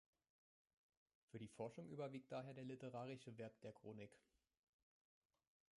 Für die Forschung überwiegt daher der literarische Wert der Chronik.